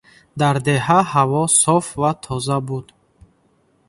Дар деҳа ҳаво соф ва тоза буд.